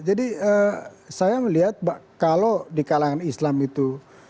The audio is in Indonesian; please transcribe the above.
jadi saya melihat kalau di kalangan islam itu